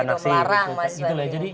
mas iswa ada usbimu melarang